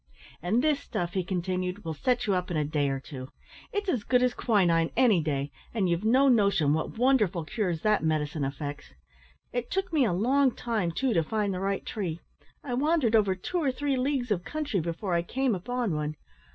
"And this stuff," he continued, "will set you up in a day or two. It's as good as quinine, any day; and you've no notion what wonderful cures that medicine effects. It took me a long time, too, to find the right tree. I wandered over two or three leagues of country before I came upon one.